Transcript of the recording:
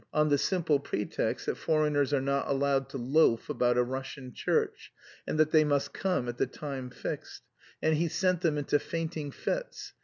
on the simple pretext that 'foreigners are not allowed to loaf about a Russian church, and that they must come at the time fixed....' And he sent them into fainting fits....